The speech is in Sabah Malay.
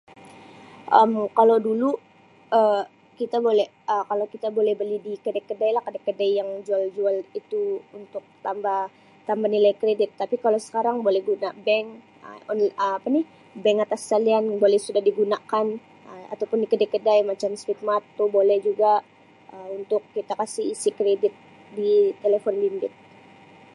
Um Kalau dulu Um kita bole Um kalau kita bole beli di kedai-kedai lah kedai-kedai yang jual jual itu untuk tambah tambah nilai kredit tapi kalau sekarang boleh guna bank Um on apa ni bank atas talian boleh sudah digunakan Um ataupun di kedai-kedai macam di Speedmart tu boleh juga Um untuk kita kasi isi kredit ditelefon bimbit.